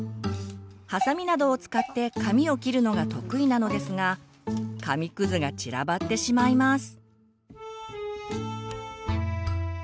ハサミなどを使って紙を切るのが得意なのですが紙くずが散らばってしまいます。